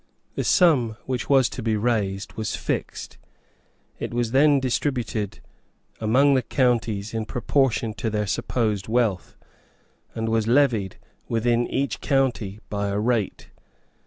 The sum which was to be raised was fixed. It was then distributed among the counties in proportion to their supposed wealth, and was levied within each county by a rate.